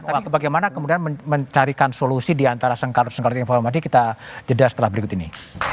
bagaimana kemudian mencarikan solusi diantara sengkarut sengkarut informasi kita jeda setelah berikut ini